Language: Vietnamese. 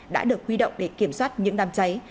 đã được huy động để kiểm soát những đám cháy